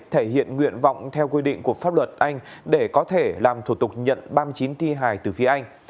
thể hiện nguyện vọng theo quy định của pháp luật anh để có thể làm thủ tục nhận ba mươi chín thi hài từ phía anh